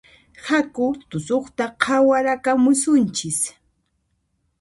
Haku tusuqta qhawarakamusunchis